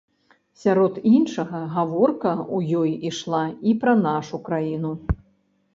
Сярод іншага, гаворка у ёй ішла і пра нашу краіну.